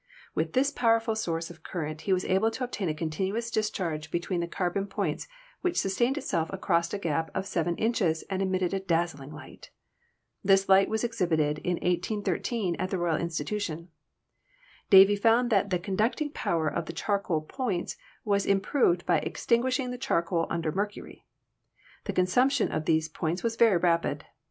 With this powerful source of current he was able to obtain a continuous discharge between carbon points which sustained itself across a gap of 7 inches and emitted a dazzling light. This light was exhibited in 1813 at the Royal Institution. Davy found that the conducting power of the charcoal points was im proved by extinguishing the charcoal under mercury. The consumption of these points was very rapid.